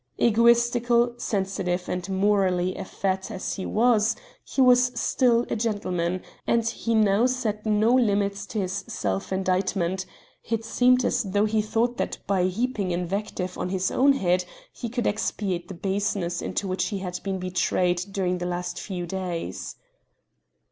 Egotistical, sensitive, and morally effete as he was, he was still a gentleman, and he now set no limits to his self indictment; it seemed as though he thought that by heaping invective on his own head he could expiate the baseness into which he had been betrayed during the last few days.